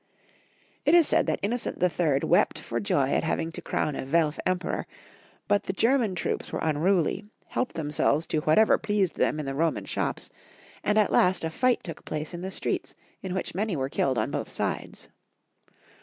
It is said that Innocent III. wept for joy at hav , ing to crown a Welf Emperor, but the German UimOER OF PHILIP. Otto IV. 167 troops were unruly, helped themselves to whatever pleased them in the Roman shops, and at last a fight took place in the streets, in which many were killed on both sides.